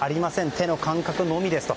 手の感覚のみですと。